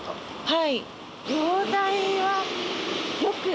はい。